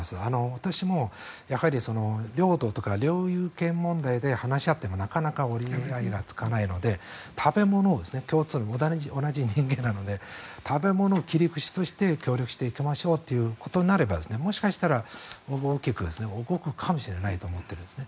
私も領土とか領有権問題で話し合ってもなかなか折り合いがつかないので食べ物を、共通の同じ人間なので食べ物を切り口として協力していきましょうということになればもしかしたら大きく動くかもしれないと思っているんです。